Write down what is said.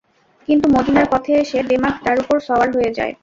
কিন্তু মদীনার পথে এসে দেমাগ তার উপর সওয়ার হয়ে যায়।